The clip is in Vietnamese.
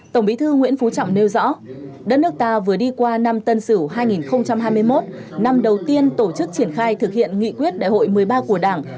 tổng bí thư nguyễn phú trọng nêu rõ đất nước ta vừa đi qua năm tân sửu hai nghìn hai mươi một năm đầu tiên tổ chức triển khai thực hiện nghị quyết đại hội một mươi ba của đảng